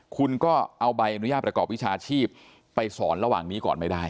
คุณก็เอาใบอนุญาตประกอบวิชาชีพไปสอนระหว่างนี้ก่อนไม่ได้